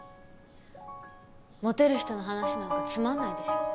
モテる人の話なんかつまんないでしょ。